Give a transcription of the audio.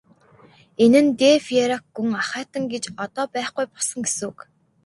Энэ нь де Пейрак гүн ахайтан гэж одоо байхгүй болсон гэсэн үг.